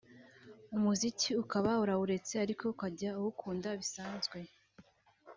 umuziki ukaba urawuretse ariko ukajya uwukunda bisanzwe